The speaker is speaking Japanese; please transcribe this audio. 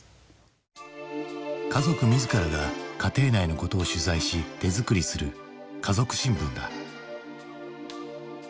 家族自らが家庭内のことを取材し手作りする「家族新聞」だ。